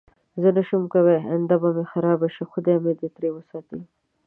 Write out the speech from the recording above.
زه نشی نه کوم اینده به می خرابه شی خدای می دی تری وساتی